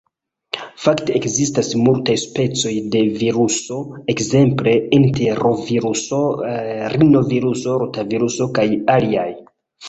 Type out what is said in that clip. Fakte ekzistas multaj specoj de viruso, ekzemple enteroviruso, rinoviruso, rotaviruso kaj aliaj.